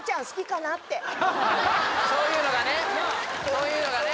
そういうのがね